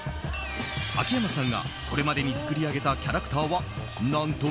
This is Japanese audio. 秋山さんがこれまでに作り上げたキャラクターは何と９４。